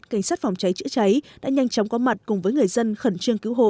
cảnh sát phòng cháy chữa cháy đã nhanh chóng có mặt cùng với người dân khẩn trương cứu hộ